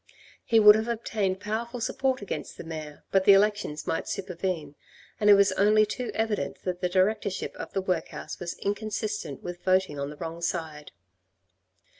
He would have obtained powerful support against the mayor but the elections might supervene, and it was only too evident that the directorship of the workhouse was inconsistent with voting on the wrong side.